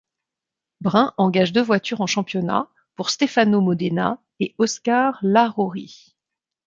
Brun engage deux voitures en championnat, pour Stefano Modena et Oscar Larrauri.